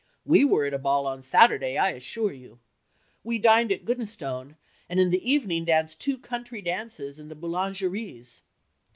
We were at a ball on Saturday I assure you. We dined at Goodnestone and in the evening danced two country dances and the Boulangeries."